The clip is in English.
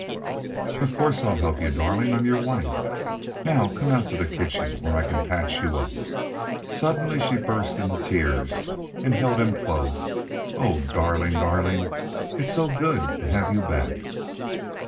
"Of course I'll help you, darling. I'm your wife. Now come out to the kitchen where I can patch you up." Suddenly she burst into tears and held him close. "Oh, darling, darling! It's so good to have you back!"